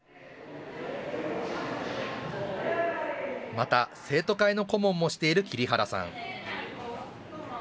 また、生徒会の顧問もしている桐原さん。